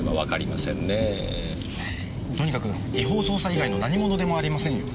とにかく違法捜査以外のなにものでもありませんよ！